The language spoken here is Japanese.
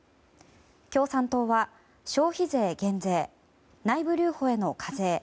共産党は消費税減税内部留保への課税。